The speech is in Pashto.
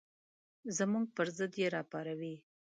زموږ پر ضد یې راوپاروئ.